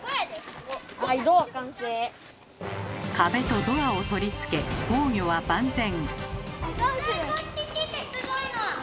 壁とドアを取り付け防御は万全。